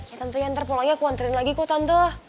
ya tante ya ntar pulangnya aku anterin lagi kok tante ya